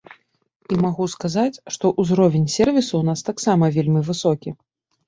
І магу сказаць, што ўзровень сервісу ў нас таксама вельмі высокі.